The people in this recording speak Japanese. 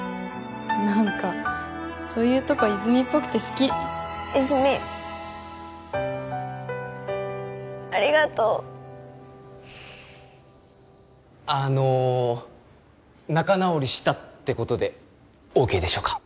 何かそういうとこ泉っぽくて好き泉ありがとうあの仲直りしたってことでＯＫでしょうか？